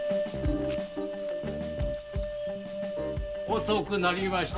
遅くなりました。